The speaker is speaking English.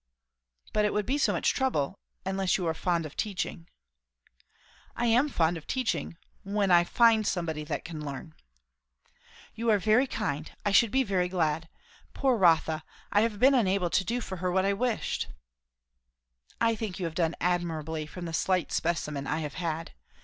"But it would be so much trouble unless you are fond of teaching " "I am fond of teaching when I find somebody that can learn." "You are very kind! I should be very glad Poor Rotha, I have been unable to do for her what I wished " "I think you have done admirably, from the slight specimen I have had.